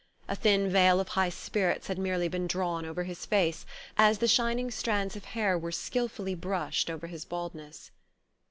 A thin veil of high spirits had merely been drawn over his face, as the shining strands of hair were skilfully brushed over his baldness.